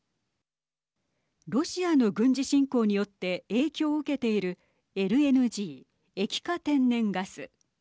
ロシアの軍事侵攻によって影響を受けているＬＮＧ＝液化天然ガス。